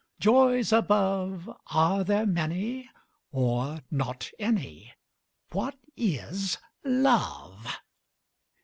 Joys above, Are there many, or not any? What is Love?